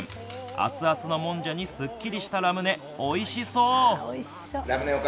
熱々のもんじゃにすっきりしたラムネ。